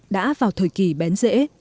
đã vào thời kỳ bén rễ